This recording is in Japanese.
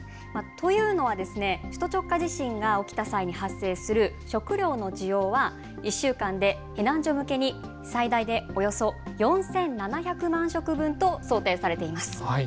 というのは首都直下地震が起きた際に発生する食料の需要は１週間で避難所向けに最大でおよそ４７００万食分と想定されています。